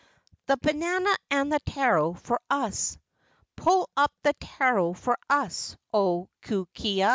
The banana and the taro for us. Pull up the taro for us, O Kukea!